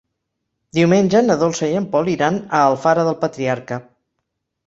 Diumenge na Dolça i en Pol iran a Alfara del Patriarca.